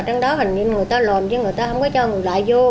trong đó hình như người ta lồn chứ người ta không có cho người lại vô